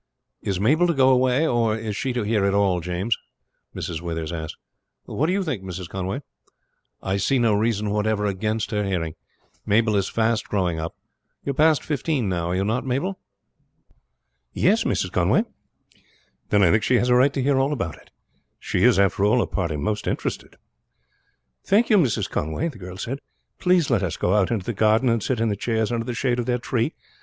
"Is Mabel to go away, or is she to hear it all, James?" Mrs. Withers asked. "What do you think, Mrs. Conway?" "I see no reason whatever against her hearing. Mabel is fast growing up. You are past fifteen now, are you not, Mabel?" "Yes, Mrs. Conway." "Then I think she has a right to hear all about it. She is, after all, the party most interested." "Thank you, Mrs. Conway," the girl said. "Please let us go out into the garden and sit in the chairs under the shade of that tree.